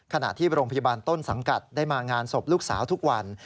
ขณะที่โรงพยาบาลต้นสังกัดได้มางานศพลูกสาวทุกวัน